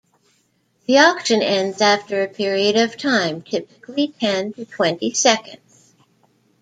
The auction ends after a period of time, typically ten to twenty seconds.